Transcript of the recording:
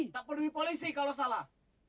tak perlu di polisi kalau salah